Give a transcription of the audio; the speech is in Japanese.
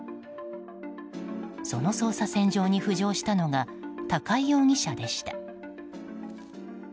その捜査線上に浮上したのが高井容疑者でした。